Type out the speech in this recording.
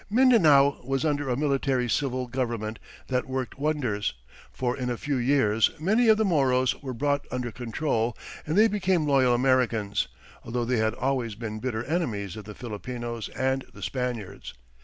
Mindanao was under a military civil government that worked wonders, for in a few years many of the Moros were brought under control, and they became loyal Americans, although they had always been bitter enemies of the Filipinos and the Spaniards.